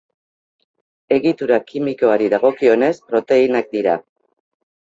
Egitura kimikoari dagokionez proteinak dira.